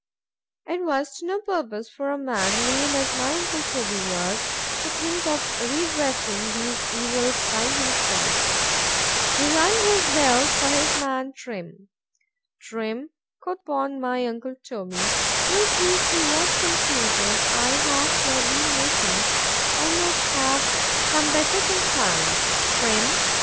'Twas to no purpose for a man, lame as my uncle Toby was, to think of redressing these evils by himself,—he rung his bell for his man Trim;——Trim, quoth my uncle Toby, prithee see what confusion I have here been making—I must have some better contrivance, _Trim.